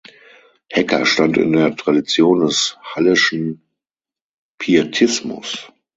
Hecker stand in der Tradition des Halleschen Pietismus.